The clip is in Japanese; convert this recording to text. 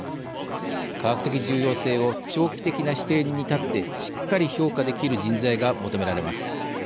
科学的重要性を長期的な視点に立ってしっかり評価できる人材が求められます。